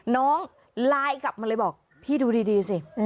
น้องไลน์กลับมาเลยบอกพี่ดูดีสิ